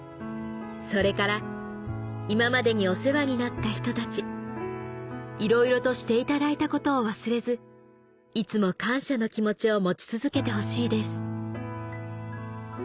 それから今までにお世話になった人たちいろいろとしていただいたことを忘れずいつも感謝の気持ちを持ち続けてほしいです」